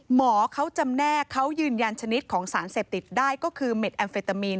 หมอเขาจำแนกเขายืนยันชนิดของสารเสพติดได้ก็คือเม็ดแอมเฟตามีน